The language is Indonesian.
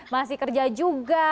masih kerja juga